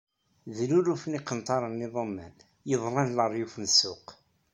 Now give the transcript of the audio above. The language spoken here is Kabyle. D luluf n yiqenṭaren n yiḍumman yeḍlan leryuf n ssuq.